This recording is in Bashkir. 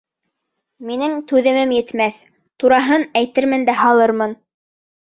Минең түҙемем етмәҫ, тураһын әйтермен дә һалырмын.